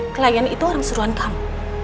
klien itu orang suruhan kamu